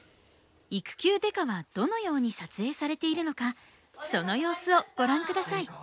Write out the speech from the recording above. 「育休刑事」はどのように撮影されているのかその様子をご覧下さい。